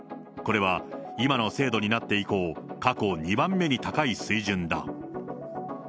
これは、今の制度になって以降、過去２番目に高い水準だ。